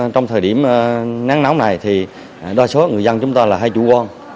trong thời điểm nắng nóng này thì đo số người dân chúng ta là hai chú quân